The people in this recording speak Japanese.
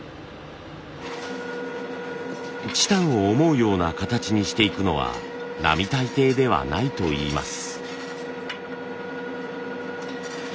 チタンを思うような形にしていくのは並大抵ではないといいます。